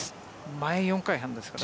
前４回半ですからね。